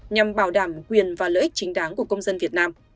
nhằm bảo đảm quyền và lợi ích chính đáng của công dân việt nam